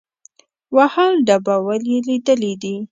وهل ډبول یې لیدلي دي.